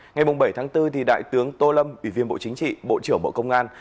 ngày bảy tháng bốn đại tướng tô lâm ủy viên bộ chính trị bộ trưởng bộ công an